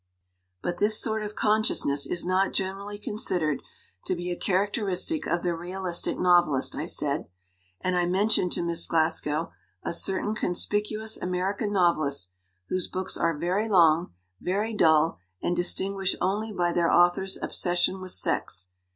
"But this sort of consciousness is not generally considered to be a characteristic of the realistic novelist," I said. And I mentioned to Miss Glas gow a certain conspicuous American novelist whose books are very long, very dull, and distinguished only by their author's obsession with sex.